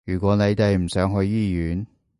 如果你哋唔想去醫院